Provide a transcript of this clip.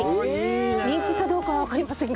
人気かどうかわかりませんが。